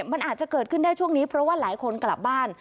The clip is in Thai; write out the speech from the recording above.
มันอาจจะเกิดขึ้นได้ช่วงนี้เพราะว่าหลายคนกลับบ้าน